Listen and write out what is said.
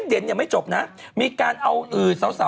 เห้ยดู